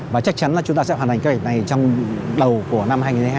và chắc chắn là chúng ta sẽ hoàn thành kế hoạch này trong đầu của năm hai nghìn hai mươi hai